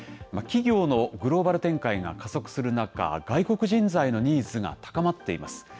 企業のグローバル展開が加速する中、外国人材のニーズが高まっています。